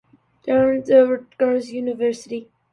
Deron was a free safety and punter at Rutgers University.